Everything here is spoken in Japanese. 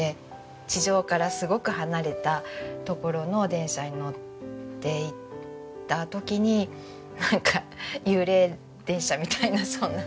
地上からすごく離れた所の電車に乗っていた時になんか幽霊電車みたいなそんな。